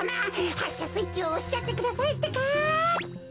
はっしゃスイッチをおしちゃってくださいってか。